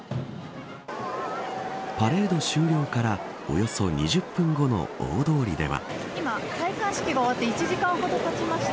パレード終了からおよそ２０分後の大通りでは。